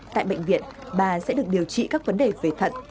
tại bệnh viện bà sẽ được điều trị các vấn đề về thận